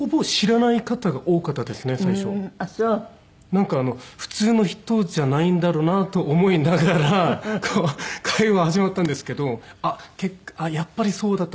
なんか普通の人じゃないんだろうなと思いながらこう会話始まったんですけど「あっやっぱりそうだったんですね」みたいな。